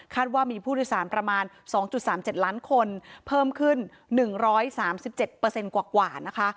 ว่ามีผู้โดยสารประมาณ๒๓๗ล้านคนเพิ่มขึ้น๑๓๗กว่านะคะ